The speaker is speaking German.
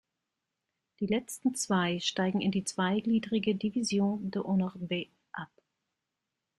Die letzten Zwei steigen in die zweigliedrige "División de Honor B" ab.